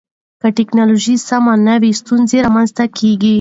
که ټکنالوژي سمه نه وي، ستونزې رامنځته کېږي.